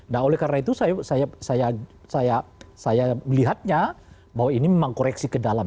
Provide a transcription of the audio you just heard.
nah oleh karena itu saya melihatnya bahwa ini memang koreksi ke dalam